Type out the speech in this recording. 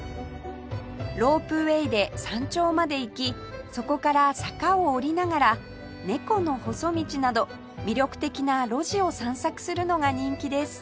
ロープウェーで山頂まで行きそこから坂を下りながら「猫の細道」など魅力的な路地を散策するのが人気です